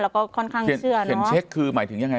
แล้วก็ค่อนข้างเชื่อนะเห็นเช็คคือหมายถึงยังไง